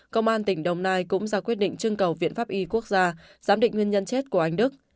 công an tỉnh đồng nai cũng ra quyết định trưng cầu viện pháp y quốc gia giám định nguyên nhân chết của anh đức